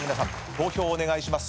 投票をお願いします。